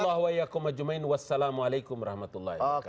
hadanallah wa yaakum ajumain wassalamu'alaikum warahmatullahi wabarakatuh